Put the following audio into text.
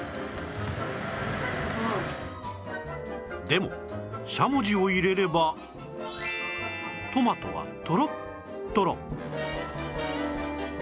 でもしゃもじを入れればトマトはとろっとろ